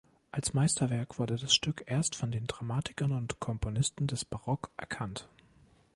Als Meisterwerk wurde das Stück erst von den Dramatikern und Komponisten des Barock erkannt.